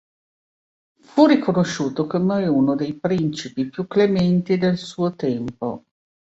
Fu riconosciuto come uno dei principi più clementi del suo tempo.